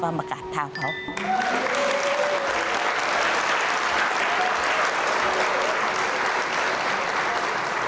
ขอบคุณครับ